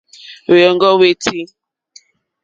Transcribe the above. Hwèɔ́ŋɡɔ́ hwétí.